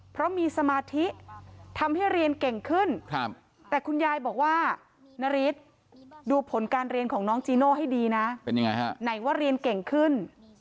เพราะมีสมาธิทำให้อะไรเก่งขึ้น